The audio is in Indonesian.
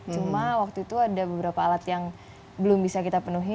cuma waktu itu ada beberapa alat yang belum bisa kita penuhi